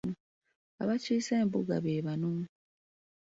Abaakiise embuga be bano.